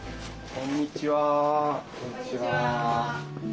こんにちは。